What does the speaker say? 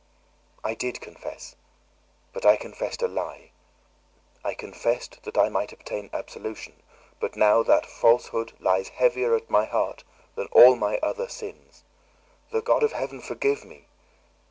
"I did confess, but I confessed a lie. I confessed, that I might obtain absolution; but now that falsehood lies heavier at my heart than all my other sins. The God of heaven forgive me!